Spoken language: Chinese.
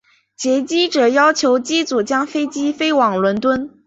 劫机者要求机组将飞机飞往伦敦。